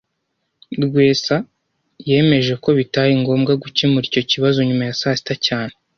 Rwesa yemeje ko bitari ngombwa gukemura icyo kibazo nyuma ya saa sita cyane